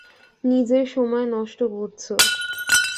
নিজের সময় নষ্ট করছো।